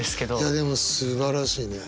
いやでもすばらしいね。